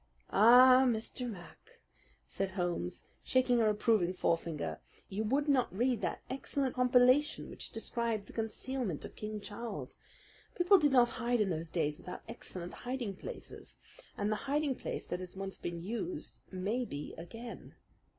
"Ah, Mr. Mac," said Holmes, shaking a reproving forefinger, "you would not read that excellent local compilation which described the concealment of King Charles. People did not hide in those days without excellent hiding places, and the hiding place that has once been used may be again.